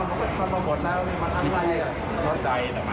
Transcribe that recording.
แล้วอย่างนี้ครับ